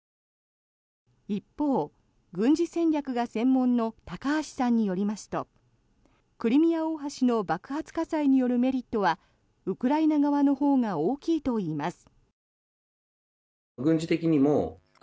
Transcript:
一方、軍事戦略が専門の高橋さんによりますとクリミア大橋の爆発火災によるメリットはウクライナ側のほうが大きいといいます。